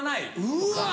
うわ！